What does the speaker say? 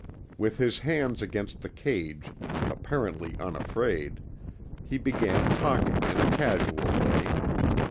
With his hands against the cage, apparently unafraid, he began talking in a casual way.